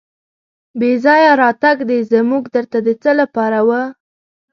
بې ځایه راتګ دې زموږ در ته د څه لپاره و.